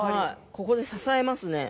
ここで支えますね。